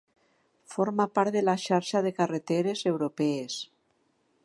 Forma part de la xarxa de carreteres europees.